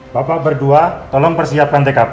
bapak berdua tolong persiapkan tkp